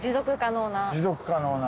持続可能な。